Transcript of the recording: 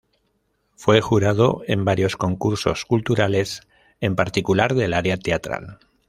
Fue jurado en varios concursos culturales, en particular del área teatral.